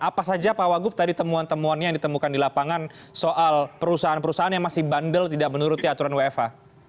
apa saja pak wagup tadi temuan temuannya yang ditemukan di lapangan soal perusahaan perusahaan yang masih bandel tidak menuruti aturan wfa